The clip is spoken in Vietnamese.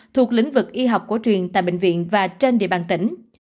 thuộc lĩnh vực y học cổ truyền tại bệnh viện và trên địa bàn tỉnh